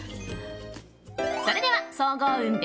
それでは総合運